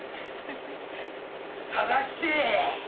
定七！